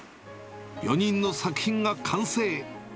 ４人の作品が完成。